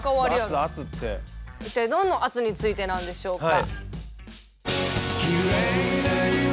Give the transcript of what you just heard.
一体どんな圧についてなんでしょうか？